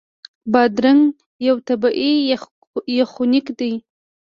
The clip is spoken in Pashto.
بادرنګ یو طبعي یخونکی دی.